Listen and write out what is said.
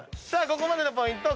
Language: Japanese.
ここまでのポイント